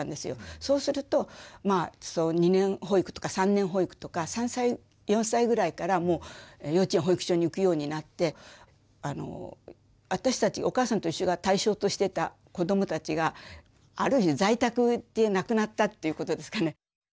そうするとまあ２年保育とか３年保育とか３歳４歳ぐらいからもう幼稚園保育所に行くようになって私たち「おかあさんといっしょ」が対象としてたこどもたちがある意味在宅でなくなったっていうことですかね。